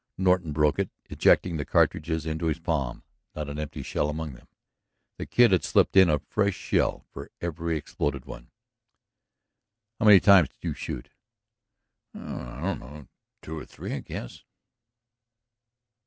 Norton "broke" it, ejecting the cartridges into his palm. Not an empty shell among them; the Kid had slipped in a fresh shell for every exploded one. "How many times did you shoot?" "I don't know. Two or three, I guess.